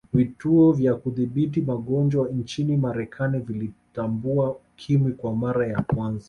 vituo vya Kudhibiti magonjwa nchini marekani vilitambua ukimwi kwa mara ya kwanza